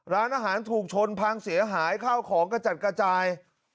ร้านอาหารถูกชนพังเสียหายข้าวของกระจัดกระจาย